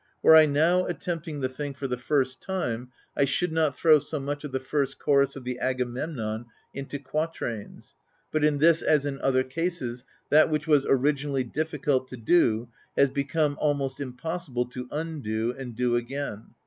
Were I now attempting the thing for the first time, I should not throw so much of the first chorus of the Agamemnon into quatrains. But in this, as in other cases, that which was originally difficult to do has become almost impossible to undo and do again.